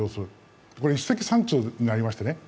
これ一石三鳥になりましてね。